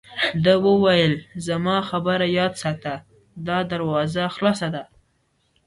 ده وویل: زما خبره یاد ساته، دا دروازه خلاصه ده.